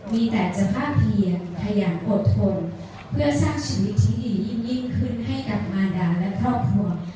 มีแต่สภาพเพียงขยันอดทนเพื่อสร้างชีวิตที่ดียิ่งขึ้นให้กับมาดาและครอบครัว